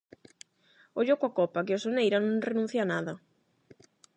Ollo coa copa, que o Soneira non renuncia a nada.